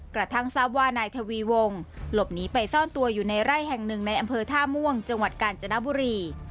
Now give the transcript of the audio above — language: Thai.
กระทั่งทราบว่านายทวีวงหลบหนีไปซ่อนตัวอยู่ในไร่แห่งหนึ่งในอำเภอท่าม่วงจังหวัดกาญจนบุรี